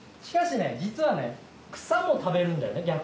しかしね実はね草も食べるんだよね